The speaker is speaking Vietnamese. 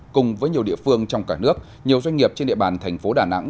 cùng với nhiều địa phương trong cả nước nhiều doanh nghiệp trên địa bàn thành phố đà nẵng